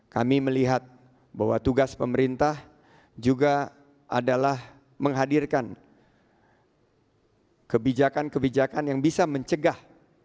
kami melihat bahwa tugas pemerintah juga adalah menghadirkan kebijakan kebijakan yang bisa mencegah